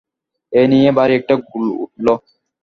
এই নিয়ে ভারি একটা গোল উঠল।